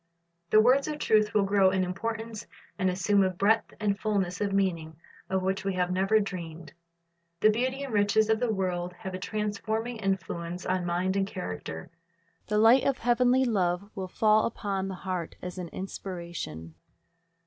The words of truth will grow in importance, and assume a breadth and fulness of meaning of which we have never dreamed. The beauty and riches of the word have a transforming influence on mind and character. The light of heavenly love will fall upon the heart as an inspiration.